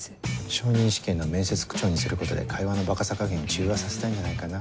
昇任試験の面接口調にすることで会話のバカさ加減を中和させたいんじゃないかな。